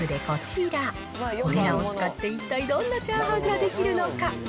これらを使って一体どんなチャーハンが出来るのか。